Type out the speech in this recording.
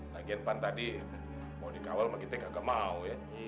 lagian pak tadi mau dikawal kita tidak mau